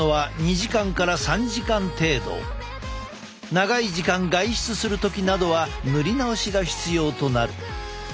長い時間外出する時などは塗り直しが必要となる。